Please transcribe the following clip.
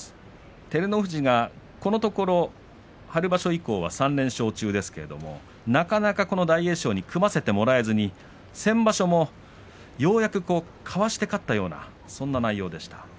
照ノ富士はこのところ春場所以降は３連勝中ですけれどもなかなか大栄翔に組ませてもらえずに、先場所もようやく、かわして勝ったようなそんな内容でした。